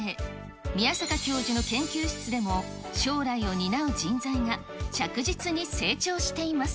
宮坂教授の研究室でも将来を担う人材が着実に成長しています。